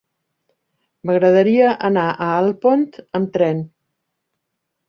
M'agradaria anar a Alpont amb tren.